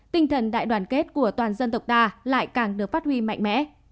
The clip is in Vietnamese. tinh thần đại đoàn kết của toàn dân tộc ta lại càng được phát huy mạnh mẽ